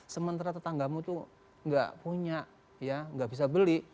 sementara tetanggamu itu gak punya gak bisa beli